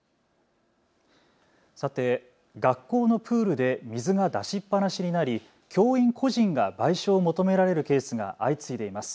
さて、学校のプールで水が出しっぱなしになり教員個人が賠償を求められるケースが相次いでいます。